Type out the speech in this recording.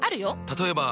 例えば。